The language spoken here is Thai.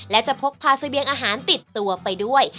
และจะพกพาเสบียงอาหารติดตัวไปด้วย